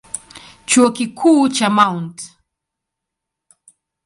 Chuo Kikuu cha Mt.